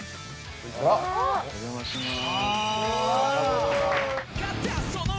お邪魔します。